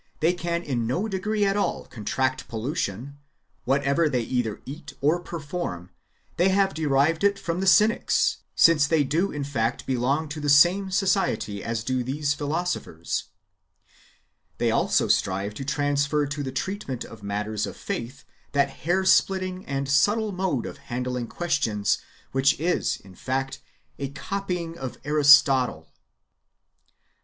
of their nature, tliey can in no degree at all contract pollu tion, whatever they either eat or perform, they have derived it from the Cynics, since they do in fact belong to the same society as do these [philosophers]. They also strive to transfer to [the treatment of matters of] faith that hairsplitting and subtle mode of handling questions which is, in fact, a copying of Aristotle.